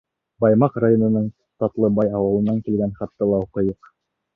Баймаҡ районының Татлыбай ауылынан килгән хатты ла уҡыйыҡ.